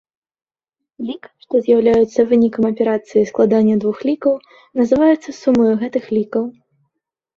Лік, што з'яўляецца вынікам аперацыі складання двух лікаў, называецца сумаю гэтых лікаў.